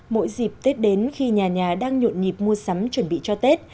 mỗi dịp tết đến khi nhà nhà đang nhộn nhịp mua sắm chuẩn bị cho tết